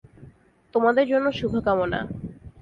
তোমাদের জন্য শুভকামনা!